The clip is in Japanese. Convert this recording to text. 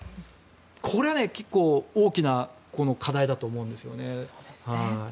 これは結構大きな課題だと思うんですよね。